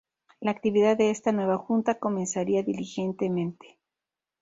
La actividad de esta nueva Junta comenzaría diligentemente.